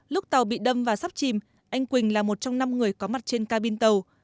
lúc tàu bị đâm và sắp chìm anh quỳnh là một trong năm người có mặt trên cabin tàu